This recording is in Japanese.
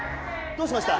どうしました？